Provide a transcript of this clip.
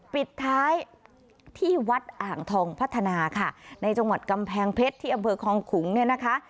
ปิดท้ายที่วัดอ่างทองพัฒนาค่ะในจังหวัดกำแพงเพชรที่อำเภอคองขุงเนี่ยนะคะ